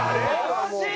惜しい！